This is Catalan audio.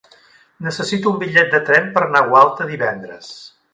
Necessito un bitllet de tren per anar a Gualta divendres.